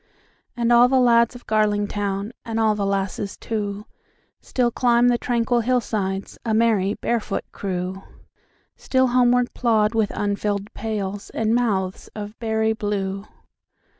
And all the lads of Garlingtown, And all the lasses too, Still climb the tranquil hillsides,A merry, barefoot crew; Still homeward plod with unfilled pailsAnd mouths of berry blue.